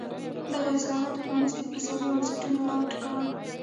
دغو اصلاحاتو پرانېستي اقتصادي بنسټونه را وټوکول.